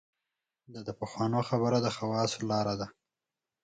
دا د پخوانو خبره خواصو لاره ده.